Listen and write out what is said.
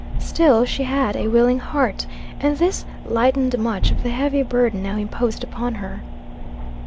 Still, she had, a willing heart, and this lightened much of the heavy burden now imposed upon her.